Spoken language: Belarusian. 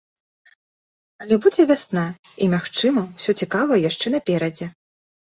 Але будзе вясна, і, магчыма, усё цікавае яшчэ наперадзе.